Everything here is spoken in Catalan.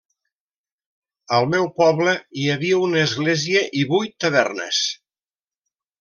Al meu poble hi havia una església i vuit tavernes.